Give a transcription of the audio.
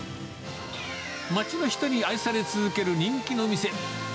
町の人に愛され続ける人気の店。